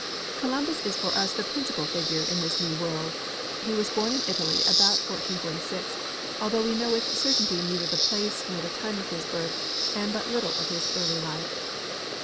Columbus is for us the princi])al figure in this ncAV Avorld. He Avas born in Italy about 1446, though we know with certainty neither the place nor time of his birth and but little of his early life.